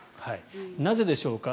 なぜでしょうか。